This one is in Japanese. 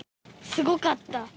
すごかった。